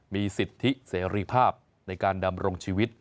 มีสิทธิเสรีภาพในการดำรงชีวิต